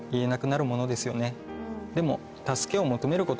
でも。